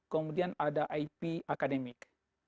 kemudian ada ip akademik